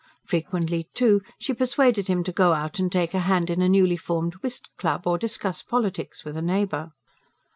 Frequently, too, she persuaded him to go out and take a hand in a newlyformed whist club, or discuss politics with a neighbour.